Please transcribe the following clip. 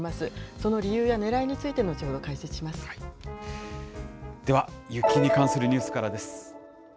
その理由やねらいについて、後ほでは、雪に関するニュースからです。